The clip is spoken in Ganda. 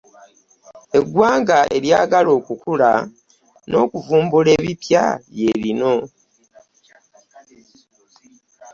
Eggwanga eryagala okukula n'okuvumbula ebipya lye lino